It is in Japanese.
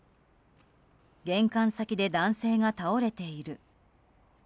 玄関先で男性が倒れている。